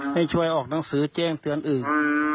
ให้ช่วยออกหนังสือแจ้งเตือนอื่น